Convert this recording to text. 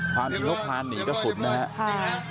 ความจริงโทษคลานหนีก็สุดนะฮะ